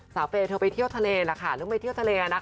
เฟย์เธอไปเที่ยวทะเลล่ะค่ะเรื่องไปเที่ยวทะเลนะคะ